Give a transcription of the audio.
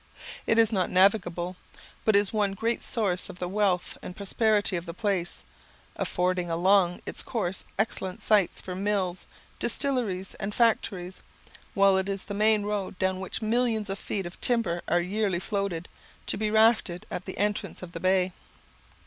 It is not navigable, but is one great source of the wealth and prosperity of the place, affording all along its course excellent sites for mills, distilleries, and factories, while it is the main road down which millions of feet of timber are yearly floated, to be rafted at the entrance of the bay.